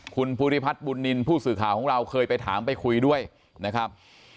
คุณภูริพัฒน์บุญนินทร์ผู้สื่อข่าวของเราเคยไปถามไปคุยด้วยนะครับ